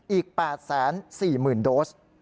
อีก๘๔๐๐๐โดส